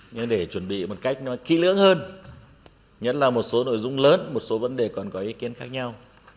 nhưng để chuẩn bị một cách nó kỹ lưỡng hơn nhất là một số nội dung lớn một số vấn đề còn có ý kiến khác nhau